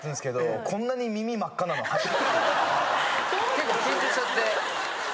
結構緊張しちゃって。